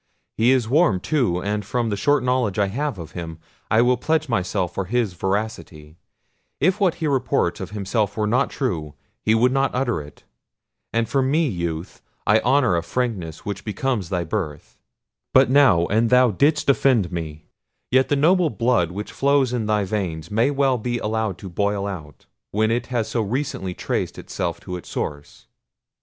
He is warm too; and from the short knowledge I have of him, I will pledge myself for his veracity: if what he reports of himself were not true, he would not utter it—and for me, youth, I honour a frankness which becomes thy birth; but now, and thou didst offend me: yet the noble blood which flows in thy veins, may well be allowed to boil out, when it has so recently traced itself to its source.